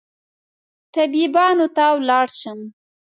طبيبانو ته ولاړ شم